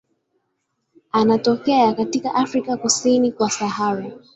Anatokea katika Afrika kusini kwa Sahara.